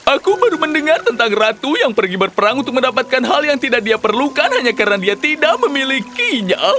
aku baru mendengar tentang ratu yang pergi berperang untuk mendapatkan hal yang tidak dia perlukan hanya karena dia tidak memilikinya